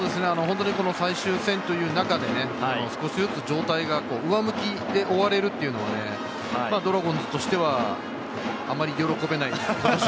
最終戦という中で少しずつ状態が上向きで終われるというのは、ドラゴンズとしては、あまり喜べない。